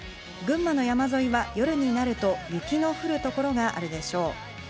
群馬の山沿いは夜になると雪の降る所があるでしょう。